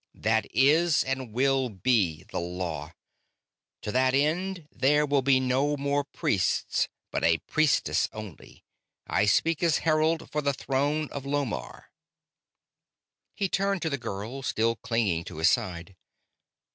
That is and will be the law. To that end there will be no more priests, but a priestess only. I speak as herald for the Throne of Lomarr!" He turned to the girl, still clinging to his side.